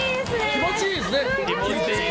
気持ちがいいですね！